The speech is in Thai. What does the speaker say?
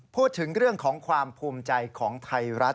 พูดถึงเรื่องของความภูมิใจของไทยรัฐ